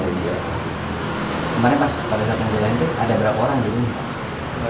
kemarin pas pada saat pengadilan itu ada berapa orang di rumah